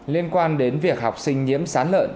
liên quan đến việc học sinh nhiễm sán lợn